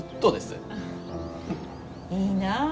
いいなぁ。